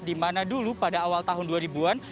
dimana dulu pada awal tahun dua ribu an